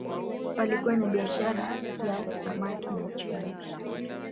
Palikuwa na biashara kiasi samaki na chumvi